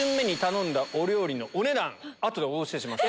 後でお教えします。